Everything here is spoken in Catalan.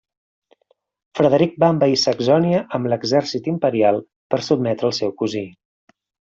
Frederic va envair Saxònia amb l'exèrcit imperial per sotmetre el seu cosí.